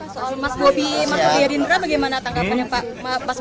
soal mas mobi mas mobi adindra bagaimana tangkapannya